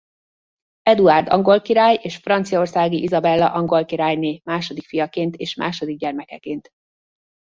Eduárd angol király és Franciaországi Izabella angol királyné második fiaként és második gyermekeként.